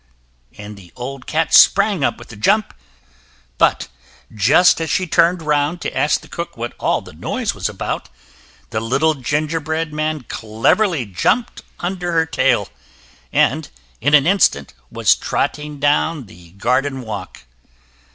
The old cat sprang up with a jump, but just as she turned round to ask the cook what all the noise was about, the little gingerbread man cleverly jumped under her tail, and in an instant was trotting down the garden walk.